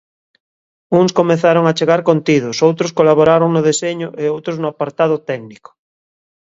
Uns comezaron a achegar contidos, outros colaboraron no deseño e outros no apartado técnico.